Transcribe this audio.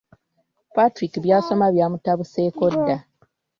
Patrick by’asoma byamutabuseeko dda.